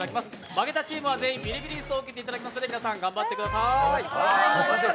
負けたチームは全員ビリビリ椅子を受けていただきますので皆さん頑張ってください。